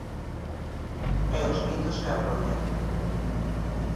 E os mitos que abrollan.